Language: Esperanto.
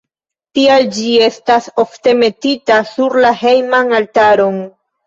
Tial ĝi estas ofte metita sur la hejman altaron.